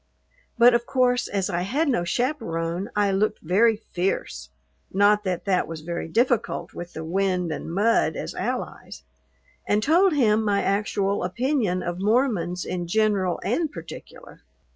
But, of course, as I had no chaperone I looked very fierce (not that that was very difficult with the wind and mud as allies) and told him my actual opinion of Mormons in general and particular.